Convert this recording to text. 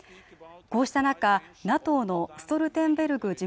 こうした中ＮＡＴＯのストルテンベルグ